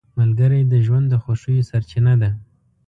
ملګری د ژوند د خوښیو سرچینه ده